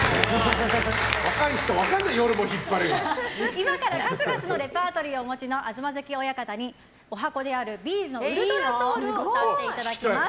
今から数々のレパートリーをお持ちの東関親方に十八番であるＢ’ｚの「ｕｌｔｒａｓｏｕｌ」を歌っていただきます。